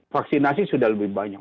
karena ini sudah lebih banyak